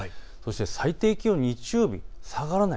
最低気温、日曜日下がらない。